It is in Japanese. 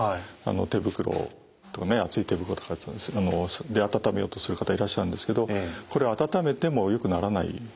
手袋厚い手袋とかで温めようとする方いらっしゃるんですけどこれ温めてもよくならないですね。